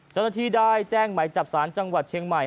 จัดละทีได้แจ้งหมายจับสารจังหวัดเชียงใหม่